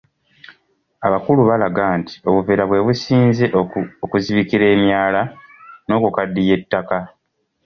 Abakulu balaga nti obuveera bwe businze okuzibikira emyala n'okukaddiya ettaka.